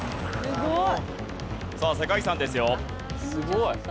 すごい！